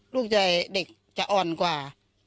ลูกใหญ่เด็กจะอ่อนกว่า